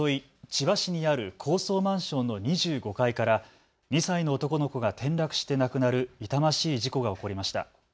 千葉市にある高層マンションの２５階から２歳の男の子が転落して亡くなる痛ましい事故が起こりました。